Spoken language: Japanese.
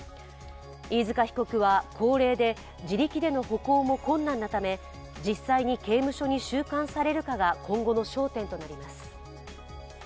飯塚被告は高齢で、自力での歩行も困難なため実際に刑務所に収監されるかが今後の焦点となります。